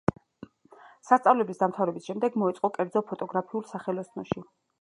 სასწავლებლის დამთავრების შემდეგ მოეწყო კერძო ფოტოგრაფიულ სახელოსნოში.